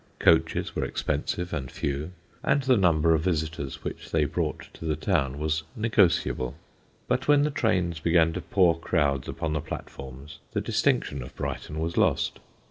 Coaches were expensive and few, and the number of visitors which they brought to the town was negotiable; but when trains began to pour crowds upon the platforms the distinction of Brighton was lost.